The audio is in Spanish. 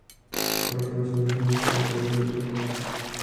Por razones obvias, no es una autobiografía.